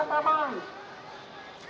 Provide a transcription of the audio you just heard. jelaskan kita jelaskan ramai